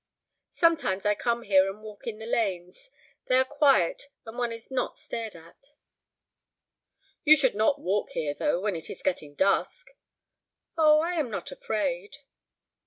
"Sometimes I come here and walk in the lanes. They are quiet, and one is not stared at." "You should not walk here, though, when it is getting dusk." "Oh, I am not afraid."